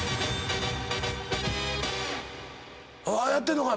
やってんのか？